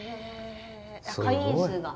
会員数が？